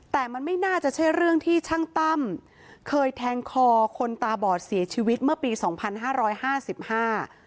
แต่มันไม่น่าจะใช่เรื่องที่ช่างตั้มเคยแทงคอคนตาบอดเสียชีวิตเมื่อปีสองพันห้าร้อยห้าสิบห้า